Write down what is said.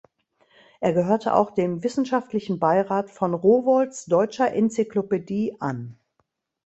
Er gehörte auch dem Wissenschaftlichen Beirat von "rowohlts deutscher enzyklopädie" an.